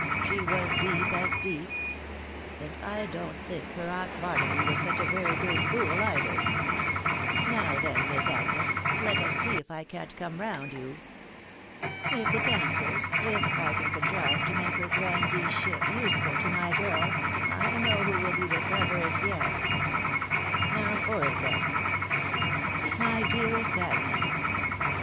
she was deep as deep ; and I don't think her Aunt Barnaby was such a very great fool either. Now then, Miss Agnes, let us see if I can't come round you. If it answers, if I can contrive to make her grandeeship useful to my girl, I know who will be the cleverest yet. Now for it then." " My dearest Agnes